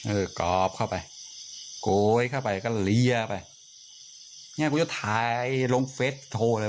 เออกรอบเข้าไปโกยเข้าไปก็เลียไปเนี่ยกูจะถ่ายลงเฟสโทรเลย